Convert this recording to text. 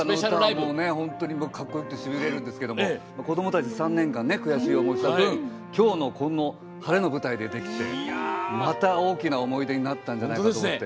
冬美さんも、本当にかっこよくてしびれるんですが子どもたち、３年間悔しい思いをした分今日の、この晴れの舞台でできてまた、大きな思い出になったんじゃないかと思って。